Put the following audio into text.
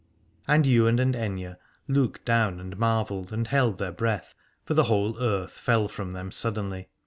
And Ywain and Aithne looked down and marvelled and held their breath, for the whole earth fell from them suddenly.